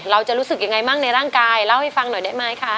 เราจะรู้สึกยังไงบ้างในร่างกายเล่าให้ฟังหน่อยได้ไหมคะ